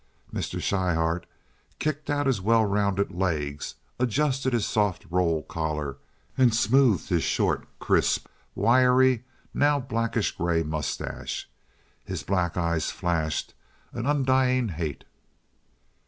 Mr. Schryhart kicked out his well rounded legs, adjusted his soft roll collar, and smoothed his short, crisp, wiry, now blackish gray mustache. His black eyes flashed an undying hate.